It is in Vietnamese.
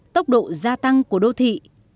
tốc độ gia tăng của đô thị